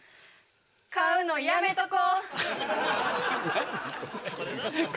買うのやめとこ。